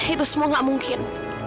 itu semua gak mungkin